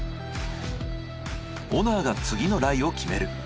オナーが次のライを決める。